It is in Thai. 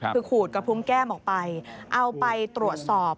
คือขูดกระพุงแก้มออกไปเอาไปตรวจสอบ